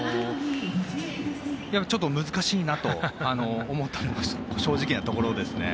ちょっと難しいなと思ったのが正直なところですね。